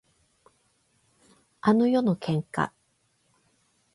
あの夜の喧嘩